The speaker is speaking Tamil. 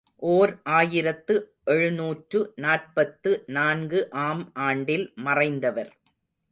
ஓர் ஆயிரத்து எழுநூற்று நாற்பத்து நான்கு ஆம் ஆண்டில் மறைந்தவர்.